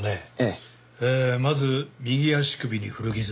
えーまず右足首に古傷。